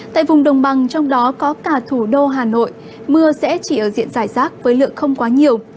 tại vùng đồng bằng trong đó có cả thủ đô hà nội mưa sẽ chỉ ở diện giải rác với lượng không quá nhiều